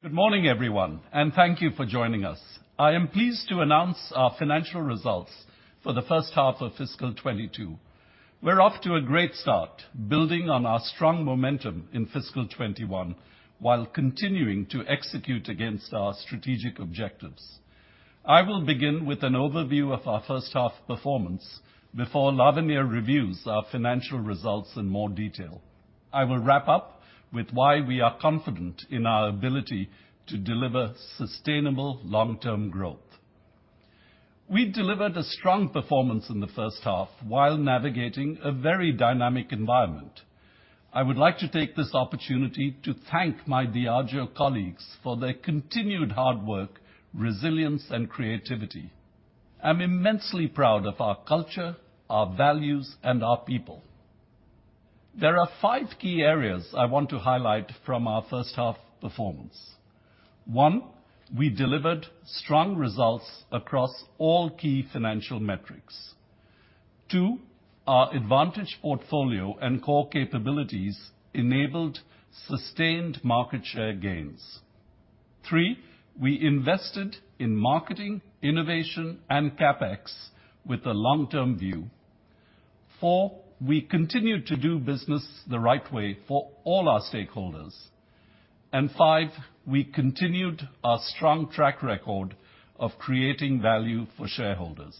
Good morning, everyone, and thank you for joining us. I am pleased to announce our financial results for the first half of fiscal 2022. We're off to a great start building on our strong momentum in fiscal 2021, while continuing to execute against our strategic objectives. I will begin with an overview of our first half performance before Lavanya reviews our financial results in more detail. I will wrap up with why we are confident in our ability to deliver sustainable long-term growth. We've delivered a strong performance in the first half while navigating a very dynamic environment. I would like to take this opportunity to thank my Diageo colleagues for their continued hard work, resilience, and creativity. I'm immensely proud of our culture, our values, and our people. There are five key areas I want to highlight from our first half performance. One, we delivered strong results across all key financial metrics. Two, our advantage portfolio and core capabilities enabled sustained market share gains. Three, we invested in marketing, innovation, and CapEx with a long-term view. Four, we continued to do business the right way for all our stakeholders. Five, we continued our strong track record of creating value for shareholders.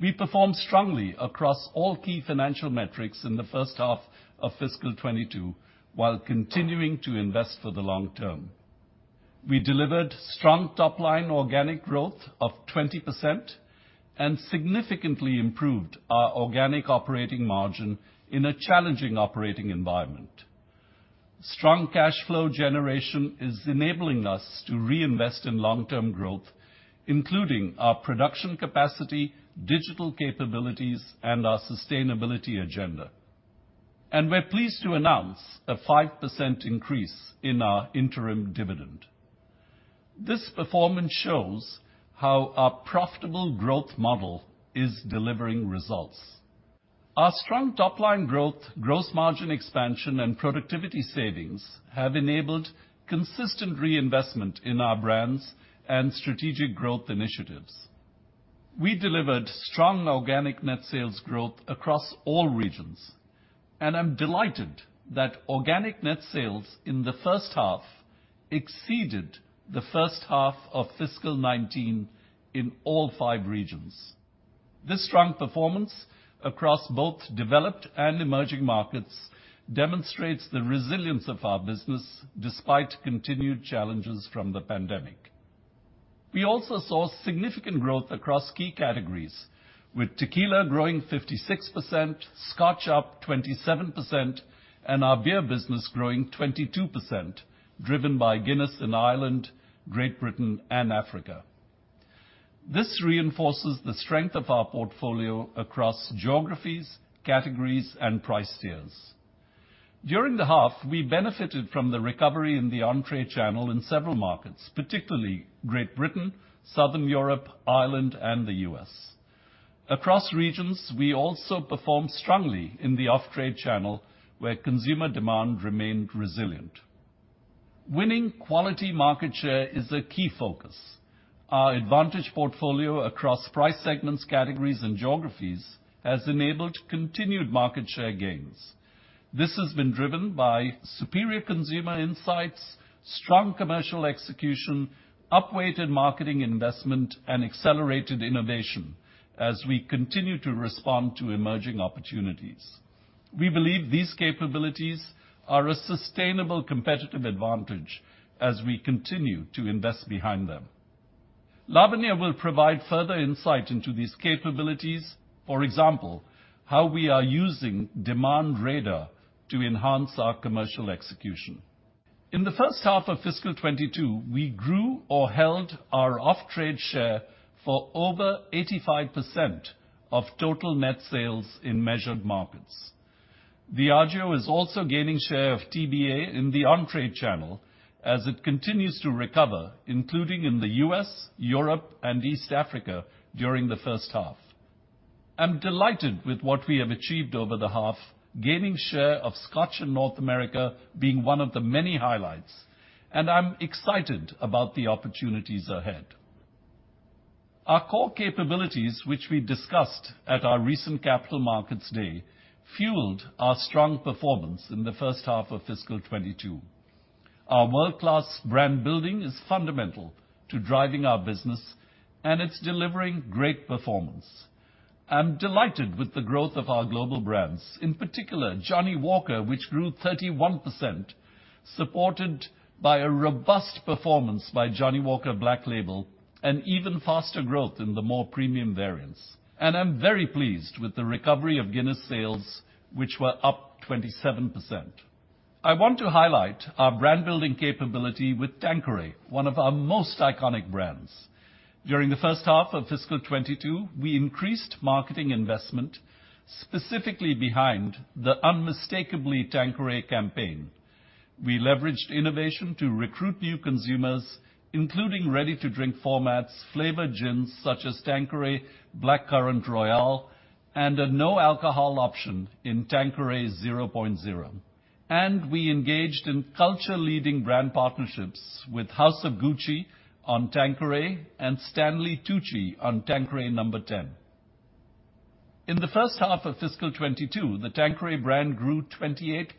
We performed strongly across all key financial metrics in the first half of fiscal 2022, while continuing to invest for the long term. We delivered strong top-line organic growth of 20% and significantly improved our organic operating margin in a challenging operating environment. Strong cash flow generation is enabling us to reinvest in long-term growth, including our production capacity, digital capabilities, and our sustainability agenda. We're pleased to announce a 5% increase in our interim dividend. This performance shows how our profitable growth model is delivering results. Our strong top-line growth, gross margin expansion, and productivity savings have enabled consistent reinvestment in our brands and strategic growth initiatives. We delivered strong organic net sales growth across all regions, and I'm delighted that organic net sales in the first half exceeded the first half of fiscal 2019 in all five regions. This strong performance across both developed and emerging markets demonstrates the resilience of our business despite continued challenges from the pandemic. We also saw significant growth across key categories, with tequila growing 56%, scotch up 27%, and our beer business growing 22%, driven by Guinness in Ireland, Great Britain, and Africa. This reinforces the strength of our portfolio across geographies, categories, and price tiers. During the half, we benefited from the recovery in the on-trade channel in several markets, particularly Great Britain, Southern Europe, Ireland, and the U.S. Across regions, we also performed strongly in the off-trade channel, where consumer demand remained resilient. Winning quality market share is a key focus. Our advantage portfolio across price segments, categories, and geographies has enabled continued market share gains. This has been driven by superior consumer insights, strong commercial execution, up-weighted marketing investment, and accelerated innovation as we continue to respond to emerging opportunities. We believe these capabilities are a sustainable competitive advantage as we continue to invest behind them. Lavanya will provide further insight into these capabilities. For example, how we are using Demand Radar to enhance our commercial execution. In the first half of fiscal 2022, we grew or held our off-trade share for over 85% of total net sales in measured markets. Diageo is also gaining share of TBA in the on-trade channel as it continues to recover, including in the U.S., Europe, and East Africa during the first half. I'm delighted with what we have achieved over the half, gaining share of Scotch in North America being one of the many highlights, and I'm excited about the opportunities ahead. Our core capabilities, which we discussed at our recent Capital Markets Day, fueled our strong performance in the first half of fiscal 2022. Our world-class brand building is fundamental to driving our business, and it's delivering great performance. I'm delighted with the growth of our global brands, in particular Johnnie Walker, which grew 31%, supported by a robust performance by Johnnie Walker Black Label, and even faster growth in the more premium variants. I'm very pleased with the recovery of Guinness sales, which were up 27%. I want to highlight our brand-building capability with Tanqueray, one of our most iconic brands. During the first half of fiscal 2022, we increased marketing investment, specifically behind the Unmistakably Tanqueray campaign. We leveraged innovation to recruit new consumers, including ready-to-drink formats, flavored gins such as Tanqueray Blackcurrant Royale, and a no alcohol option in Tanqueray 0.0. We engaged in culture leading brand partnerships with House of Gucci on Tanqueray and Stanley Tucci on Tanqueray No. TEN. In the first half of fiscal 2022, the Tanqueray brand grew 28%,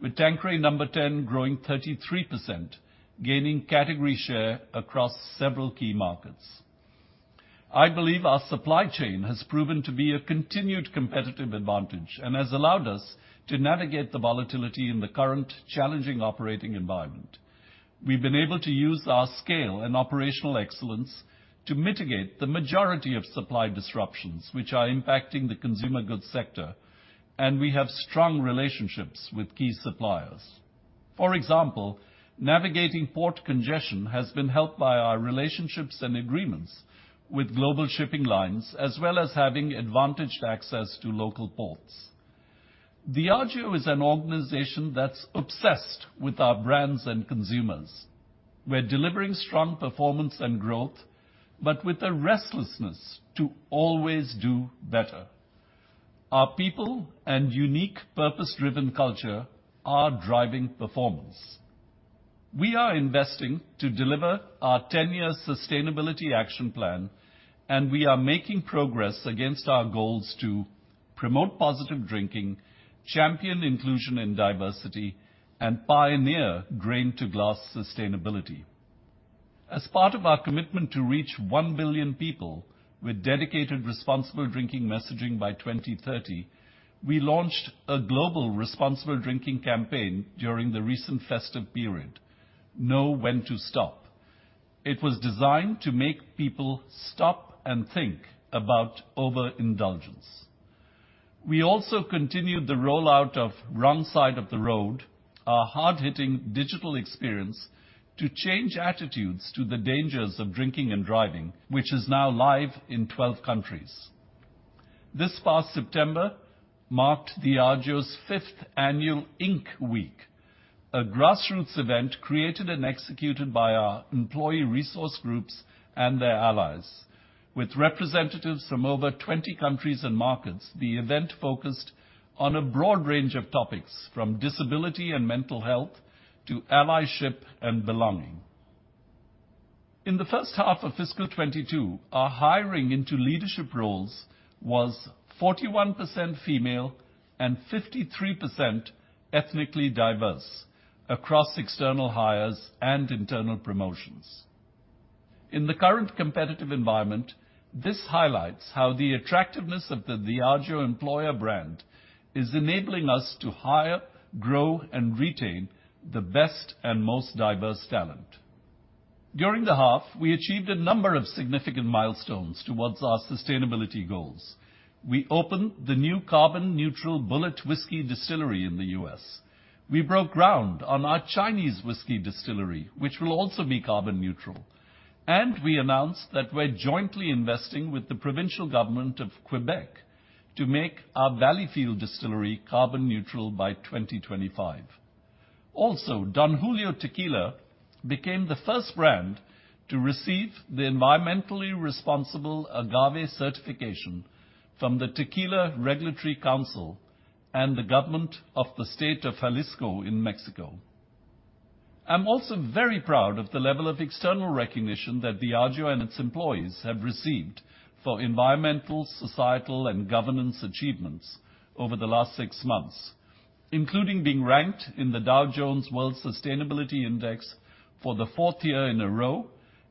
with Tanqueray No. TEN growing 33%, gaining category share across several key markets. I believe our supply chain has proven to be a continued competitive advantage, and has allowed us to navigate the volatility in the current challenging operating environment. We've been able to use our scale and operational excellence to mitigate the majority of supply disruptions which are impacting the consumer goods sector, and we have strong relationships with key suppliers. For example, navigating port congestion has been helped by our relationships and agreements with global shipping lines, as well as having advantaged access to local ports. Diageo is an organization that's obsessed with our brands and consumers. We're delivering strong performance and growth, but with a restlessness to always do better. Our people and unique purpose-driven culture are driving performance. We are investing to deliver our 10-year sustainability action plan, and we are making progress against our goals to promote positive drinking, champion inclusion and diversity, and pioneer grain to glass sustainability. As part of our commitment to reach 1 billion people with dedicated responsible drinking messaging by 2030, we launched a global responsible drinking campaign during the recent festive period: Know When to Stop. It was designed to make people stop and think about overindulgence. We also continued the rollout of Wrong Side of the Road, our hard-hitting digital experience to change attitudes to the dangers of drinking and driving, which is now live in 12 countries. This past September marked Diageo's fifth annual INC Week, a grassroots event created and executed by our employee resource groups and their allies. With representatives from over 20 countries and markets, the event focused on a broad range of topics, from disability and mental health, to allyship and belonging. In the first half of fiscal 2022, our hiring into leadership roles was 41% female, and 53% ethnically diverse across external hires and internal promotions. In the current competitive environment, this highlights how the attractiveness of the Diageo employer brand is enabling us to hire, grow, and retain the best and most diverse talent. During the half, we achieved a number of significant milestones towards our sustainability goals. We opened the new carbon neutral Bulleit whiskey distillery in the U.S. We broke ground on our Chinese whiskey distillery, which will also be carbon neutral. We announced that we're jointly investing with the provincial government of Quebec to make our Valleyfield distillery carbon neutral by 2025. Don Julio Tequila became the first brand to receive the Environmentally Responsible Agave certification from the Tequila Regulatory Council and the government of the state of Jalisco in Mexico. I'm also very proud of the level of external recognition that Diageo and its employees have received for environmental, societal, and governance achievements over the last six months, including being ranked in the Dow Jones Sustainability World Index for the fourth year in a row,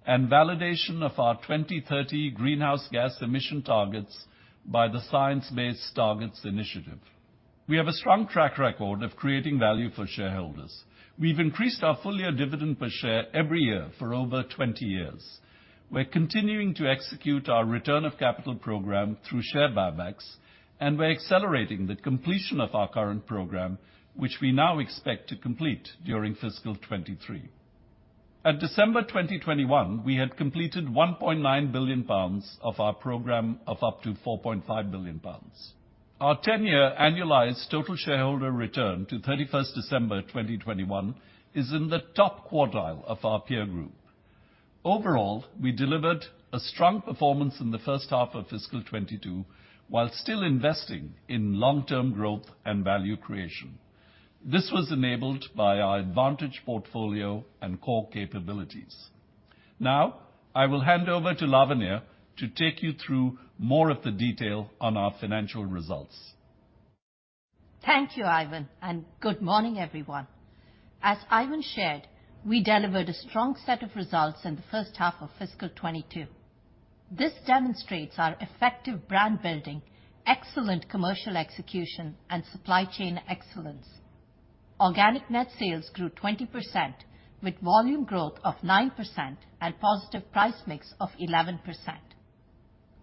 and validation of our 2030 greenhouse gas emission targets by the Science Based Targets initiative. We have a strong track record of creating value for shareholders. We've increased our full year dividend per share every year for over 20 years. We're continuing to execute our return of capital program through share buybacks, and we're accelerating the completion of our current program, which we now expect to complete during fiscal 2023. At December 2021, we had completed 1.9 billion pounds of our program of up to 4.5 billion pounds. Our 10-year annualized total shareholder return to December 31st, 2021 is in the top quartile of our peer group. Overall, we delivered a strong performance in the first half of fiscal 2022, while still investing in long-term growth and value creation. This was enabled by our advantage portfolio and core capabilities. Now, I will hand over to Lavanya to take you through more of the detail on our financial results. Thank you, Ivan, and good morning, everyone. As Ivan shared, we delivered a strong set of results in the first half of fiscal 2022. This demonstrates our effective brand building, excellent commercial execution, and supply chain excellence. Organic net sales grew 20% with volume growth of 9% and positive price mix of 11%.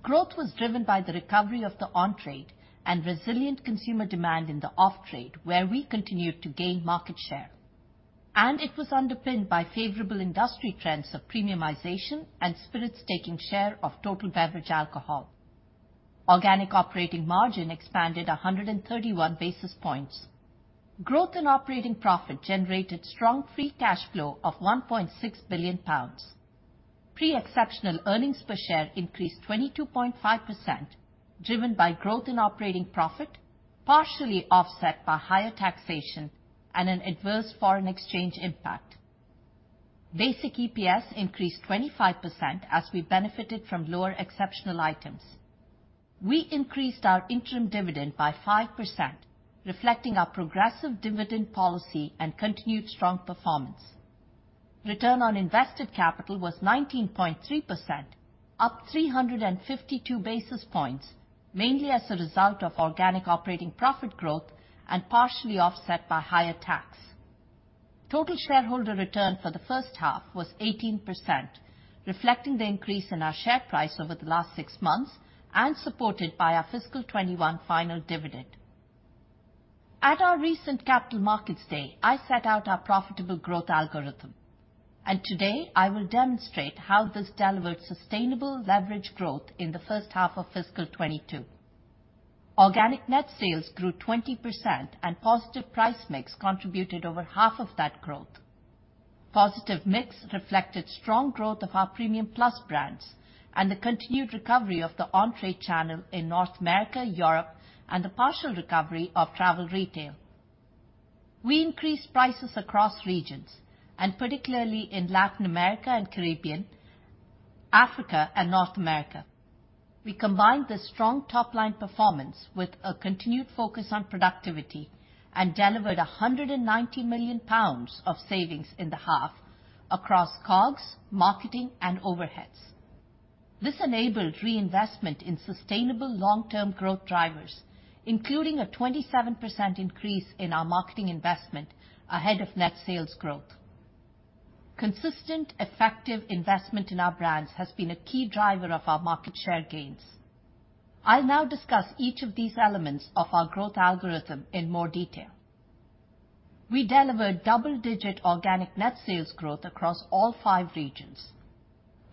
Growth was driven by the recovery of the on-trade and resilient consumer demand in the off-trade, where we continued to gain market share. It was underpinned by favorable industry trends of premiumization and spirits taking share of total beverage alcohol. Organic operating margin expanded 131 basis points. Growth and operating profit generated strong free cash flow of GBP 1.6 billion. Pre-exceptional earnings per share increased 22.5%, driven by growth in operating profit, partially offset by higher taxation and an adverse foreign exchange impact. Basic EPS increased 25% as we benefited from lower exceptional items. We increased our interim dividend by 5%, reflecting our progressive dividend policy and continued strong performance. Return on invested capital was 19.3%, up 352 basis points, mainly as a result of organic operating profit growth and partially offset by higher tax. Total shareholder return for the first half was 18%, reflecting the increase in our share price over the last six months and supported by our fiscal 2021 final dividend. At our recent Capital Markets Day, I set out our profitable growth algorithm, and today I will demonstrate how this delivered sustainable leverage growth in the first half of fiscal 2022. Organic net sales grew 20% and positive price mix contributed over half of that growth. Positive mix reflected strong growth of our premium plus brands and the continued recovery of the on-trade channel in North America, Europe, and the partial recovery of Travel Retail. We increased prices across regions, and particularly in Latin America and Caribbean, Africa, and North America. We combined the strong top-line performance with a continued focus on productivity and delivered 190 million pounds of savings in the half across COGS, marketing, and overheads. This enabled reinvestment in sustainable long-term growth drivers, including a 27% increase in our marketing investment ahead of net sales growth. Consistent effective investment in our brands has been a key driver of our market share gains. I'll now discuss each of these elements of our growth algorithm in more detail. We delivered double-digit organic net sales growth across all five regions.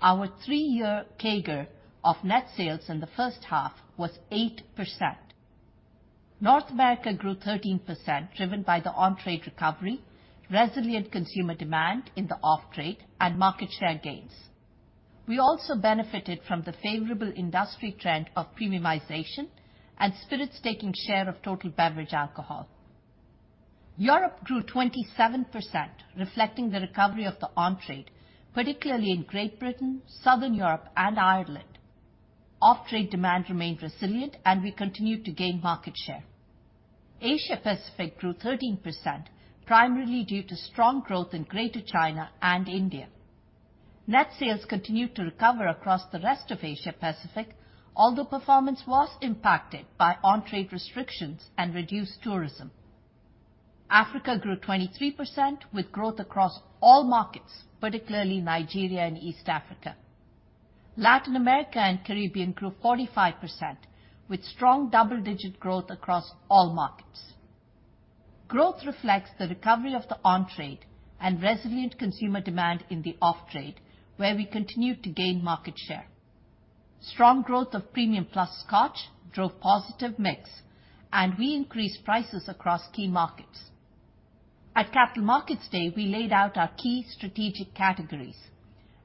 Our three-year CAGR of net sales in the first half was 8%. North America grew 13% driven by the on-trade recovery, resilient consumer demand in the off-trade, and market share gains. We also benefited from the favorable industry trend of premiumization and spirits taking share of total beverage alcohol. Europe grew 27%, reflecting the recovery of the on-trade, particularly in Great Britain, Southern Europe, and Ireland. Off-trade demand remained resilient, and we continued to gain market share. Asia Pacific grew 13%, primarily due to strong growth in Greater China and India. Net sales continued to recover across the rest of Asia Pacific, although performance was impacted by on-trade restrictions and reduced tourism. Africa grew 23% with growth across all markets, particularly Nigeria and East Africa. Latin America and Caribbean grew 45% with strong double-digit growth across all markets. Growth reflects the recovery of the on-trade and resilient consumer demand in the off-trade, where we continued to gain market share. Strong growth of premium plus scotch drove positive mix, and we increased prices across key markets. At Capital Markets Day, we laid out our key strategic categories,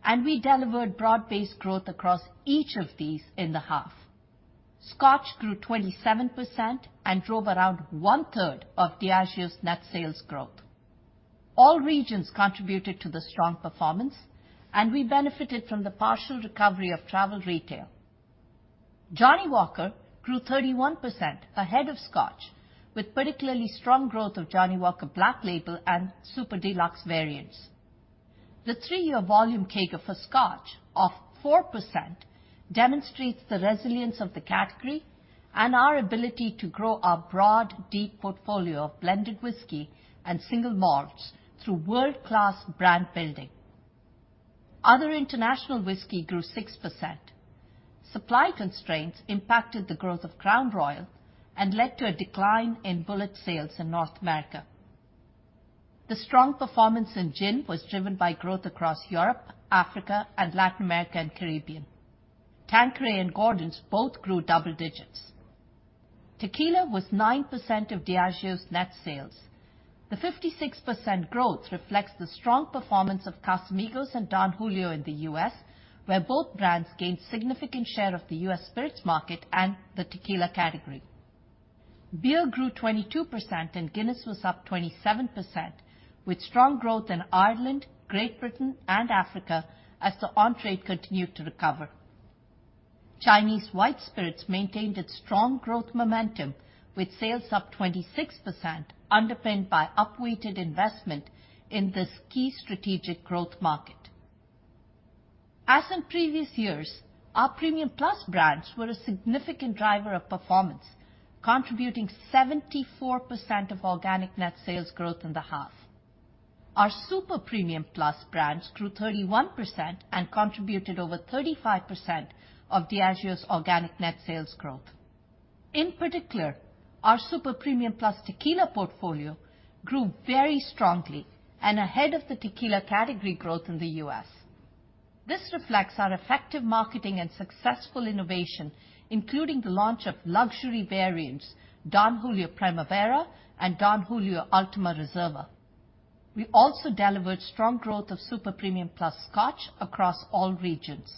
and we delivered broad-based growth across each of these in the half. Scotch grew 27% and drove around 1/3 of Diageo's net sales growth. All regions contributed to the strong performance, and we benefited from the partial recovery of Travel Retail. Johnnie Walker grew 31% ahead of Scotch, with particularly strong growth of Johnnie Walker Black Label and Super Deluxe variants. The three-year volume CAGR for Scotch of 4% demonstrates the resilience of the category and our ability to grow our broad, deep portfolio of blended whiskey and single malts through world-class brand building. Other international whiskey grew 6%. Supply constraints impacted the growth of Crown Royal and led to a decline in Bulleit sales in North America. The strong performance in gin was driven by growth across Europe, Africa, and Latin America and Caribbean. Tanqueray and Gordon's both grew double digits. Tequila was 9% of Diageo's net sales. The 56% growth reflects the strong performance of Casamigos and Don Julio in the U.S., where both brands gained significant share of the U.S. spirits market and the tequila category. Beer grew 22%, and Guinness was up 27%, with strong growth in Ireland, Great Britain, and Africa as the on-trade continued to recover. Chinese white spirits maintained its strong growth momentum, with sales up 26%, underpinned by upweighted investment in this key strategic growth market. As in previous years, our premium plus brands were a significant driver of performance, contributing 74% of organic net sales growth in the half. Our super-premium plus brands grew 31% and contributed over 35% of Diageo's organic net sales growth. In particular, our super-premium plus tequila portfolio grew very strongly and ahead of the tequila category growth in the U.S. This reflects our effective marketing and successful innovation, including the launch of luxury variants, Don Julio Primavera and Don Julio Ultima Reserva. We also delivered strong growth of super-premium plus Scotch across all regions.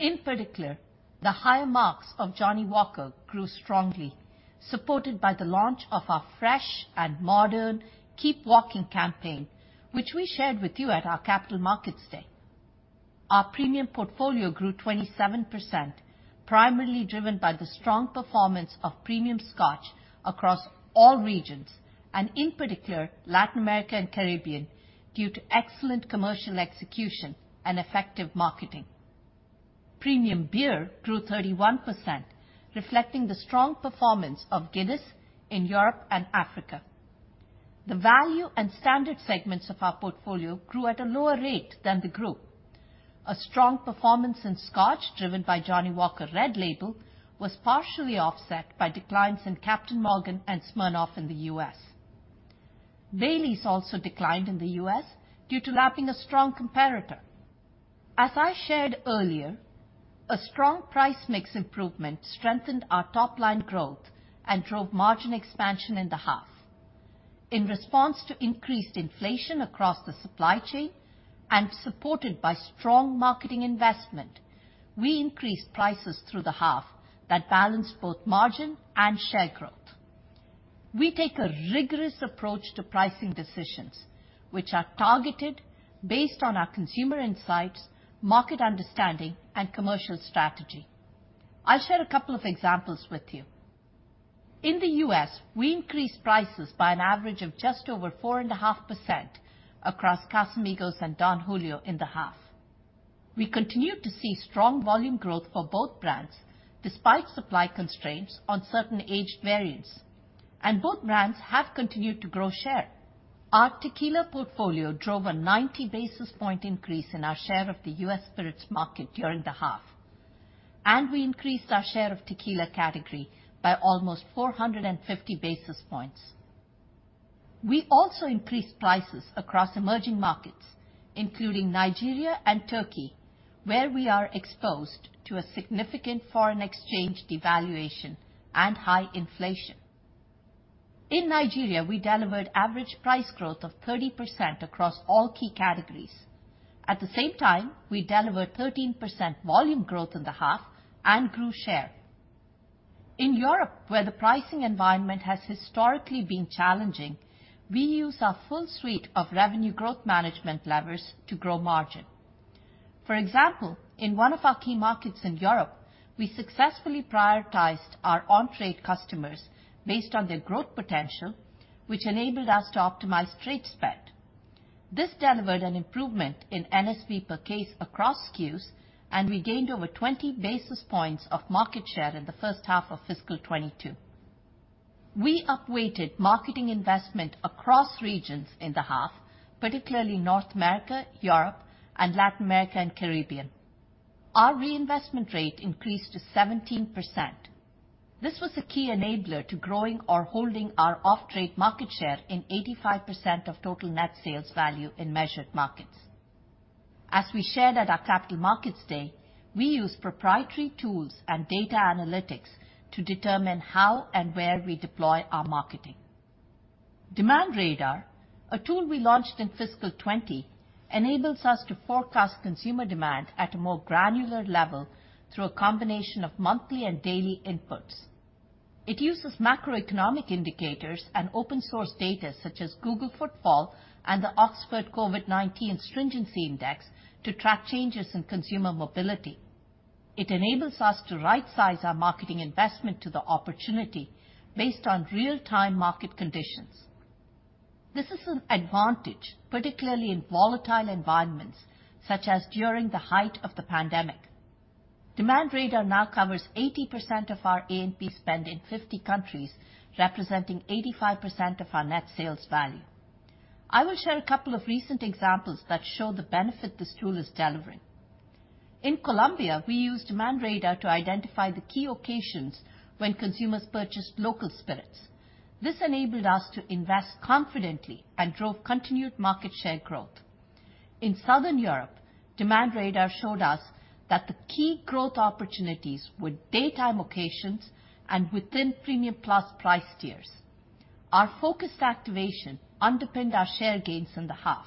In particular, the higher marks of Johnnie Walker grew strongly, supported by the launch of our fresh and modern Keep Walking campaign, which we shared with you at our Capital Markets Day. Our premium portfolio grew 27%, primarily driven by the strong performance of premium Scotch across all regions and, in particular, Latin America and Caribbean due to excellent commercial execution and effective marketing. Premium beer grew 31%, reflecting the strong performance of Guinness in Europe and Africa. The value and standard segments of our portfolio grew at a lower rate than the group. A strong performance in Scotch, driven by Johnnie Walker Red Label, was partially offset by declines in Captain Morgan and Smirnoff in the U.S. Baileys also declined in the U.S. due to lapping a strong comparator. As I shared earlier, a strong price mix improvement strengthened our top-line growth and drove margin expansion in the half. In response to increased inflation across the supply chain and supported by strong marketing investment, we increased prices through the half that balanced both margin and share growth. We take a rigorous approach to pricing decisions, which are targeted based on our consumer insights, market understanding, and commercial strategy. I'll share a couple of examples with you. In the U.S., we increased prices by an average of just over 4.5% across Casamigos and Don Julio in the half. We continued to see strong volume growth for both brands despite supply constraints on certain aged variants, and both brands have continued to grow share. Our tequila portfolio drove a 90 basis point increase in our share of the U.S. spirits market during the half, and we increased our share of tequila category by almost 450 basis points. We also increased prices across emerging markets, including Nigeria and Turkey, where we are exposed to a significant foreign exchange devaluation and high inflation. In Nigeria, we delivered average price growth of 30% across all key categories. At the same time, we delivered 13% volume growth in the half and grew share. In Europe, where the pricing environment has historically been challenging, we use our full suite of revenue growth management levers to grow margin. For example, in one of our key markets in Europe, we successfully prioritized our on-trade customers based on their growth potential, which enabled us to optimize trade spend. This delivered an improvement in NSV per case across SKUs, and we gained over 20 basis points of market share in the first half of fiscal 2022. We upweighted marketing investment across regions in the half, particularly North America, Europe, and Latin America and Caribbean. Our reinvestment rate increased to 17%. This was a key enabler to growing or holding our off-trade market share in 85% of total net sales value in measured markets. As we shared at our Capital Markets Day, we use proprietary tools and data analytics to determine how and where we deploy our marketing. Demand Radar, a tool we launched in fiscal 2020, enables us to forecast consumer demand at a more granular level through a combination of monthly and daily inputs. It uses macroeconomic indicators and open source data such as Google Community Mobility Reports and the Oxford COVID-19 Stringency Index to track changes in consumer mobility. It enables us to right-size our marketing investment to the opportunity based on real-time market conditions. This is an advantage, particularly in volatile environments, such as during the height of the pandemic. Demand Radar now covers 80% of our A&P spend in 50 countries, representing 85% of our net sales value. I will share a couple of recent examples that show the benefit this tool is delivering. In Colombia, we used Demand Radar to identify the key occasions when consumers purchased local spirits. This enabled us to invest confidently and drove continued market share growth. In Southern Europe, Demand Radar showed us that the key growth opportunities were daytime occasions and within premium plus price tiers. Our focused activation underpinned our share gains in the half.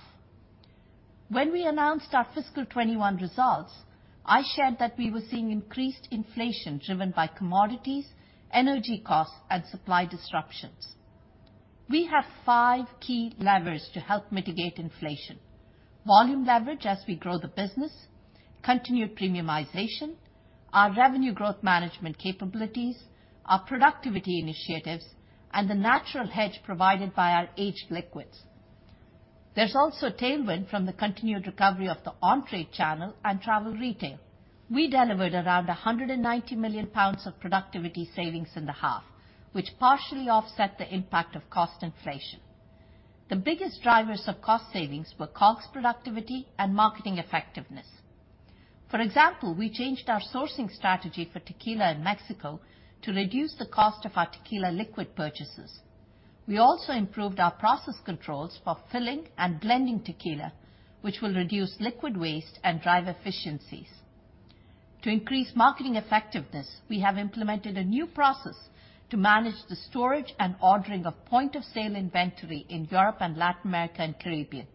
When we announced our fiscal 2021 results, I shared that we were seeing increased inflation driven by commodities, energy costs, and supply disruptions. We have five key levers to help mitigate inflation. Volume leverage as we grow the business, continued premiumization, our revenue growth management capabilities, our productivity initiatives, and the natural hedge provided by our aged liquids. There's also tailwind from the continued recovery of the on-trade channel and Travel Retail. We delivered around 190 million pounds of productivity savings in the half, which partially offset the impact of cost inflation. The biggest drivers of cost savings were COGS productivity and marketing effectiveness. For example, we changed our sourcing strategy for Tequila in Mexico to reduce the cost of our tequila liquid purchases. We also improved our process controls for filling and blending tequila, which will reduce liquid waste and drive efficiencies. To increase marketing effectiveness, we have implemented a new process to manage the storage and ordering of point-of-sale inventory in Europe and Latin America and Caribbean.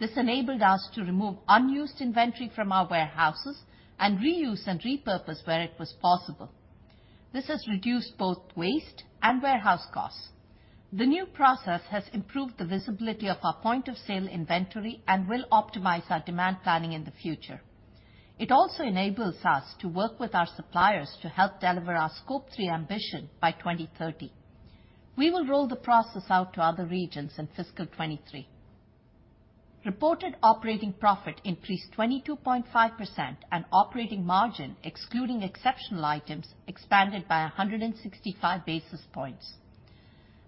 This enabled us to remove unused inventory from our warehouses and reuse and repurpose where it was possible. This has reduced both waste and warehouse costs. The new process has improved the visibility of our point-of-sale inventory and will optimize our demand planning in the future. It also enables us to work with our suppliers to help deliver our Scope 3 ambition by 2030. We will roll the process out to other regions in fiscal 2023. Reported operating profit increased 22.5% and operating margin, excluding exceptional items, expanded by 165 basis points.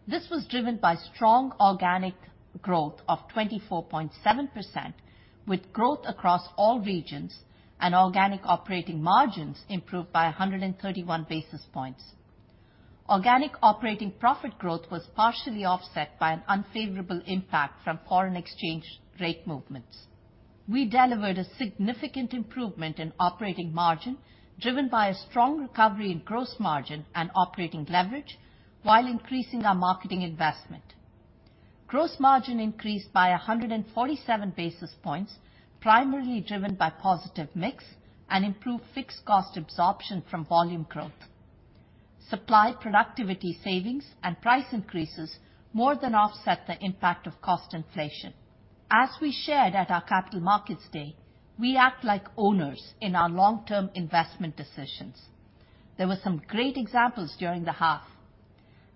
This was driven by strong organic growth of 24.7%, with growth across all regions and organic operating margins improved by 131 basis points. Organic operating profit growth was partially offset by an unfavorable impact from foreign exchange rate movements. We delivered a significant improvement in operating margin, driven by a strong recovery in gross margin and operating leverage while increasing our marketing investment. Gross margin increased by 147 basis points, primarily driven by positive mix and improved fixed cost absorption from volume growth. Supply productivity savings and price increases more than offset the impact of cost inflation. As we shared at our Capital Markets Day, we act like owners in our long-term investment decisions. There were some great examples during the half.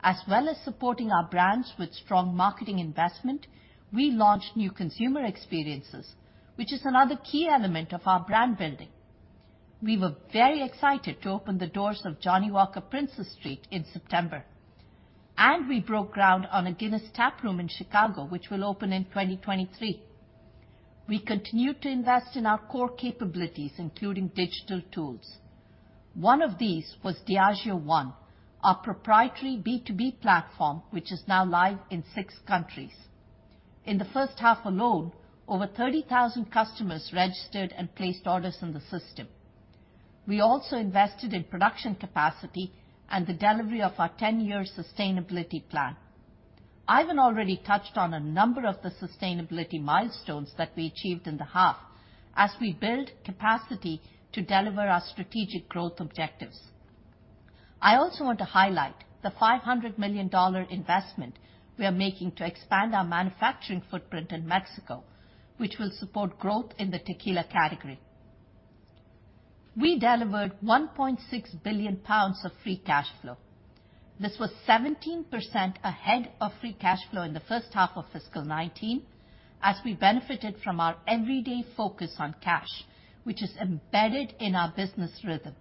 As well as supporting our brands with strong marketing investment, we launched new consumer experiences, which is another key element of our brand building. We were very excited to open the doors of Johnnie Walker Princes Street in September, and we broke ground on a Guinness taproom in Chicago, which will open in 2023. We continued to invest in our core capabilities, including digital tools. One of these was Diageo One, our proprietary B2B platform, which is now live in six countries. In the first half alone, over 30,000 customers registered and placed orders in the system. We also invested in production capacity and the delivery of our 10-year sustainability plan. Ivan already touched on a number of the sustainability milestones that we achieved in the half as we build capacity to deliver our strategic growth objectives. I also want to highlight the $500 million investment we are making to expand our manufacturing footprint in Mexico, which will support growth in the tequila category. We delivered 1.6 billion pounds of free cash flow. This was 17% ahead of free cash flow in the first half of fiscal 2019, as we benefited from our everyday focus on cash, which is embedded in our business rhythm.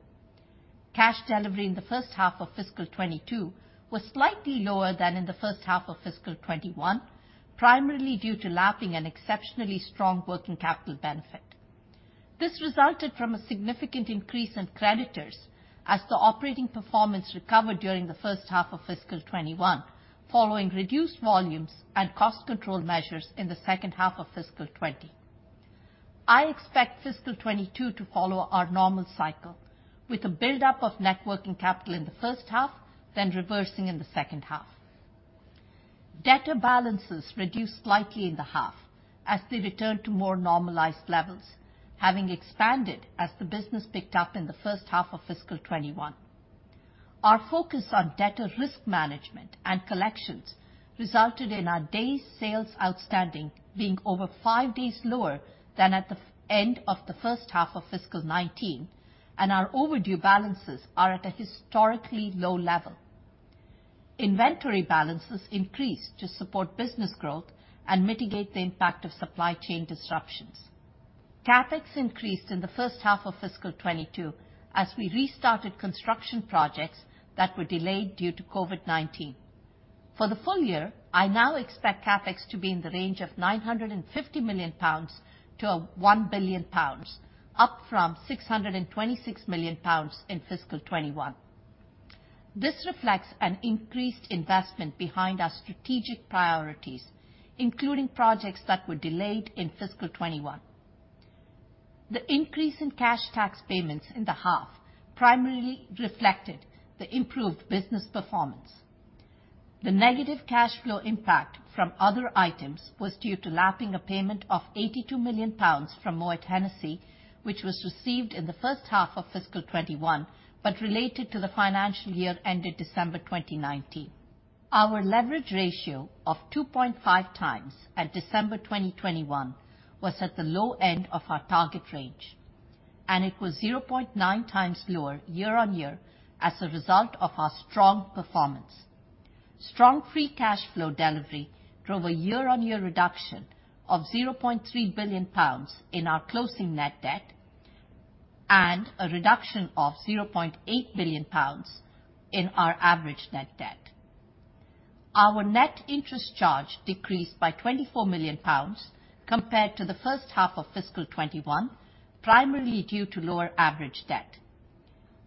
Cash delivery in the first half of fiscal 2022 was slightly lower than in the first half of fiscal 2021, primarily due to lapping an exceptionally strong working capital benefit. This resulted from a significant increase in creditors as the operating performance recovered during the first half of fiscal 2021, following reduced volumes and cost control measures in the second half of fiscal 2020. I expect fiscal 2022 to follow our normal cycle with a buildup of net working capital in the first half, then reversing in the second half. Debtor balances reduced slightly in the half as they return to more normalized levels, having expanded as the business picked up in the first half of fiscal 2021. Our focus on debtor risk management and collections resulted in our days sales outstanding being over five days lower than at the end of the first half of fiscal 2019, and our overdue balances are at a historically low level. Inventory balances increased to support business growth and mitigate the impact of supply chain disruptions. CapEx increased in the first half of fiscal 2022 as we restarted construction projects that were delayed due to COVID-19. For the full year, I now expect CapEx to be in the range of 950 million-1 billion pounds, up from 626 million pounds in fiscal 2021. This reflects an increased investment behind our strategic priorities, including projects that were delayed in fiscal 2021. The increase in cash tax payments in the half primarily reflected the improved business performance. The negative cash flow impact from other items was due to lapping a payment of 82 million pounds from Moët Hennessy, which was received in the first half of fiscal 2021, but related to the financial year ended December 2019. Our leverage ratio of 2.5x at December 2021 was at the low end of our target range, and it was 0.9x lower year-on-year as a result of our strong performance. Strong free cash flow delivery drove a year-over-year reduction of 0.3 billion pounds in our closing net debt and a reduction of 0.8 billion pounds in our average net debt. Our net interest charge decreased by 24 million pounds compared to the first half of fiscal 2021, primarily due to lower average debt.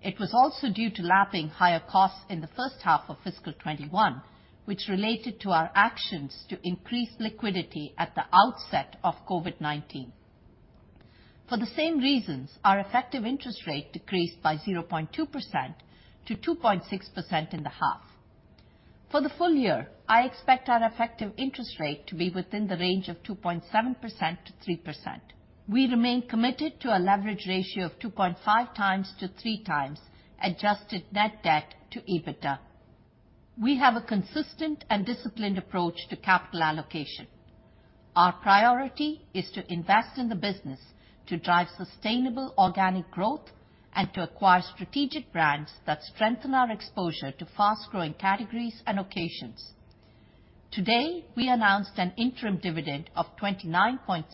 It was also due to lapping higher costs in the first half of fiscal 2021, which related to our actions to increase liquidity at the outset of COVID-19. For the same reasons, our effective interest rate decreased by 0.2% to 2.6% in the half. For the full year, I expect our effective interest rate to be within the range of 2.7%-3%. We remain committed to a leverage ratio of 2.5x-3x adjusted net debt to EBITDA. We have a consistent and disciplined approach to capital allocation. Our priority is to invest in the business to drive sustainable organic growth and to acquire strategic brands that strengthen our exposure to fast-growing categories and occasions. Today, we announced an interim dividend of 0.2936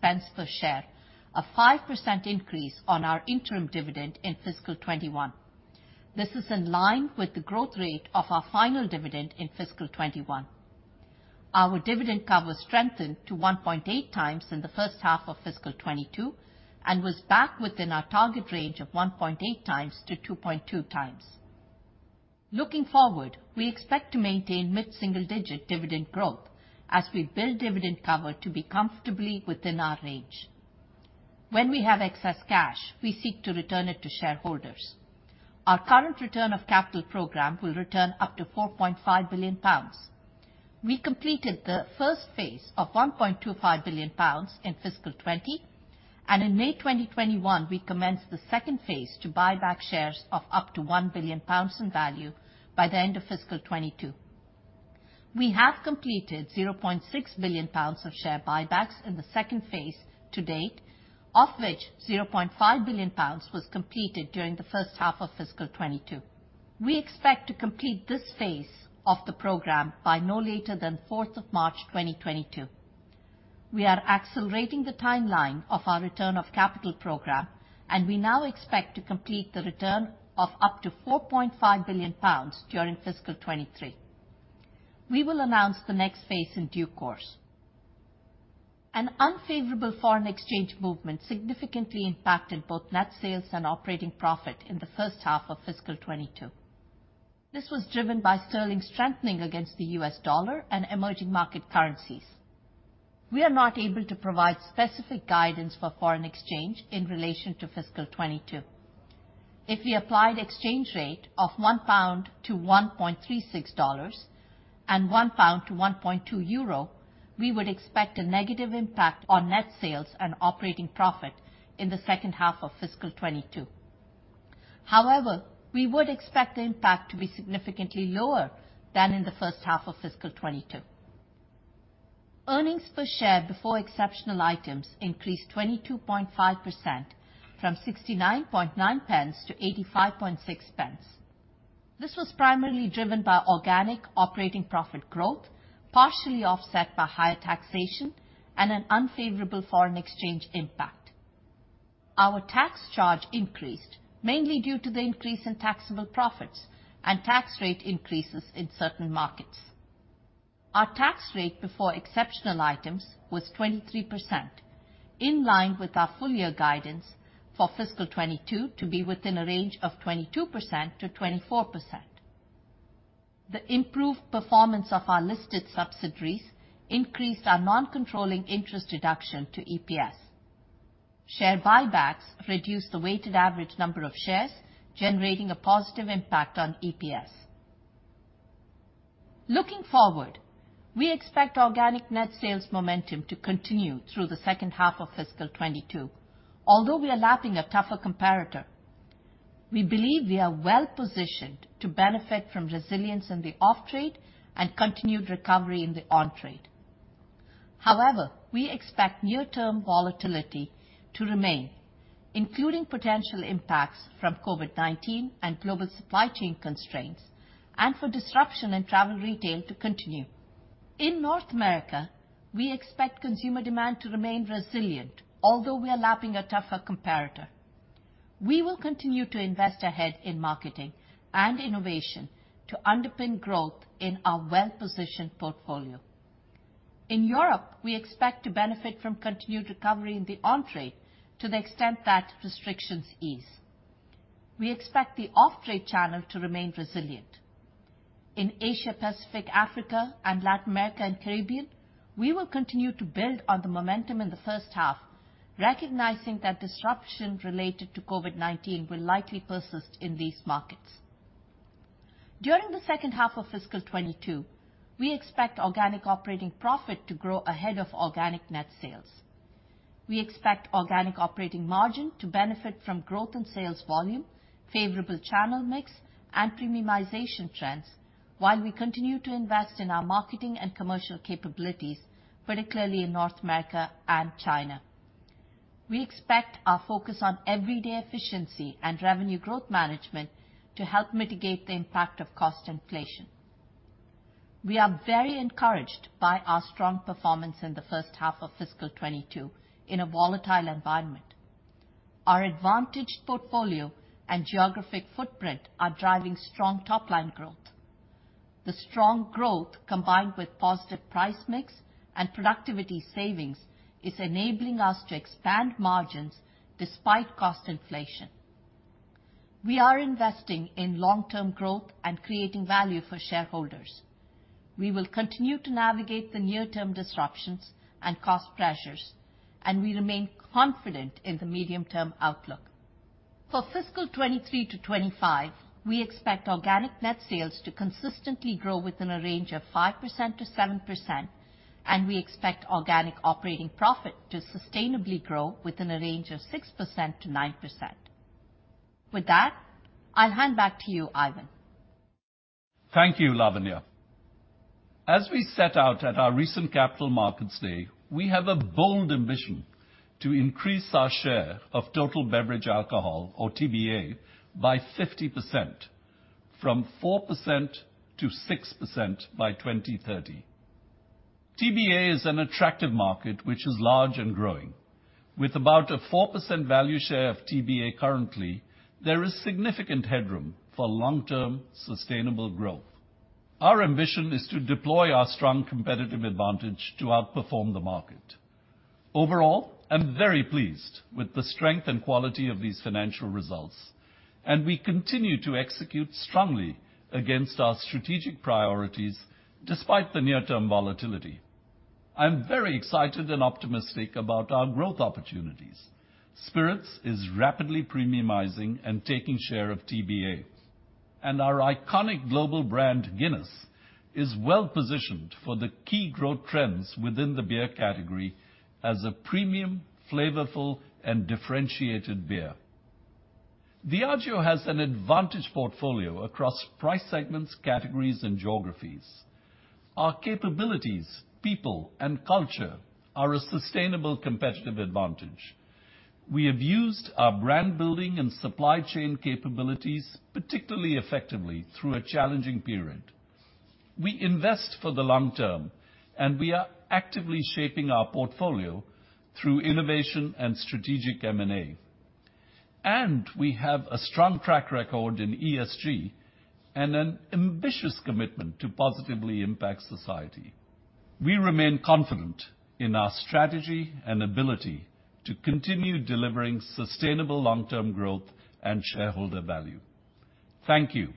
per share, a 5% increase on our interim dividend in fiscal 2021. This is in line with the growth rate of our final dividend in fiscal 2021. Our dividend cover strengthened to 1.8x in the first half of fiscal 2022 and was back within our target range of 1.8x-2.2x. Looking forward, we expect to maintain mid-single-digit dividend growth as we build dividend cover to be comfortably within our range. When we have excess cash, we seek to return it to shareholders. Our current return of capital program will return up to 4.5 billion pounds. We completed the first phase of 1.25 billion pounds in fiscal 2020, and in May 2021, we commenced the second phase to buy back shares of up to 1 billion pounds in value by the end of fiscal 2022. We have completed 0.6 billion pounds of share buybacks in the second phase to date, of which 0.5 billion pounds was completed during the first half of fiscal 2022. We expect to complete this phase of the program by no later than March 4th, 2022. We are accelerating the timeline of our return of capital program, and we now expect to complete the return of up to 4.5 billion pounds during fiscal 2023. We will announce the next phase in due course. An unfavorable foreign exchange movement significantly impacted both net sales and operating profit in the first half of fiscal 2022. This was driven by sterling strengthening against the U.S. dollar and emerging market currencies. We are not able to provide specific guidance for foreign exchange in relation to fiscal 2022. If we applied exchange rate of 1 pound to $1.36 and 1 pound to 1.2 euro, we would expect a negative impact on net sales and operating profit in the second half of fiscal 2022. However, we would expect the impact to be significantly lower than in the first half of fiscal 2022. Earnings per share before exceptional items increased 22.5% from 0.699 to 0.856. This was primarily driven by organic operating profit growth, partially offset by higher taxation and an unfavorable foreign exchange impact. Our tax charge increased mainly due to the increase in taxable profits and tax rate increases in certain markets. Our tax rate before exceptional items was 23%, in line with our full year guidance for fiscal 2022 to be within a range of 22%-24%. The improved performance of our listed subsidiaries increased our non-controlling interest deduction to EPS. Share buybacks reduced the weighted average number of shares, generating a positive impact on EPS. Looking forward, we expect organic net sales momentum to continue through the second half of fiscal 2022. Although we are lapping a tougher comparator, we believe we are well-positioned to benefit from resilience in the off-trade and continued recovery in the on-trade. However, we expect near-term volatility to remain, including potential impacts from COVID-19 and global supply chain constraints, and for disruption in Travel Retail to continue. In North America, we expect consumer demand to remain resilient, although we are lapping a tougher comparator. We will continue to invest ahead in marketing and innovation to underpin growth in our well-positioned portfolio. In Europe, we expect to benefit from continued recovery in the on-trade to the extent that restrictions ease. We expect the off-trade channel to remain resilient. In Asia, Pacific, Africa, and Latin America and Caribbean, we will continue to build on the momentum in the first half, recognizing that disruption related to COVID-19 will likely persist in these markets. During the second half of fiscal 2022, we expect organic operating profit to grow ahead of organic net sales. We expect organic operating margin to benefit from growth in sales volume, favorable channel mix, and premiumization trends while we continue to invest in our marketing and commercial capabilities, particularly in North America and China. We expect our focus on everyday efficiency and revenue growth management to help mitigate the impact of cost inflation. We are very encouraged by our strong performance in the first half of fiscal 2022 in a volatile environment. Our advantaged portfolio and geographic footprint are driving strong top-line growth. The strong growth, combined with positive price mix and productivity savings, is enabling us to expand margins despite cost inflation. We are investing in long-term growth and creating value for shareholders. We will continue to navigate the near-term disruptions and cost pressures, and we remain confident in the medium-term outlook. For fiscal 2023 to 2025, we expect organic net sales to consistently grow within a range of 5%-7%, and we expect organic operating profit to sustainably grow within a range of 6%-9%. With that, I'll hand back to you, Ivan. Thank you, Lavanya. As we set out at our recent Capital Markets Day, we have a bold ambition to increase our share of total beverage alcohol, or TBA, by 50% from 4%-6% by 2030. TBA is an attractive market, which is large and growing. With about a 4% value share of TBA currently, there is significant headroom for long-term sustainable growth. Our ambition is to deploy our strong competitive advantage to outperform the market. Overall, I'm very pleased with the strength and quality of these financial results, and we continue to execute strongly against our strategic priorities despite the near-term volatility. I'm very excited and optimistic about our growth opportunities. Spirits is rapidly premiumizing and taking share of TBA. Our iconic global brand, Guinness, is well positioned for the key growth trends within the beer category as a premium, flavorful, and differentiated beer. Diageo has an advantaged portfolio across price segments, categories, and geographies. Our capabilities, people, and culture are a sustainable competitive advantage. We have used our brand-building and supply chain capabilities particularly effectively through a challenging period. We invest for the long term, and we are actively shaping our portfolio through innovation and strategic M&A. We have a strong track record in ESG and an ambitious commitment to positively impact society. We remain confident in our strategy and ability to continue delivering sustainable long-term growth and shareholder value. Thank you.